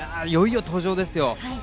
いよいよ登場ですよ。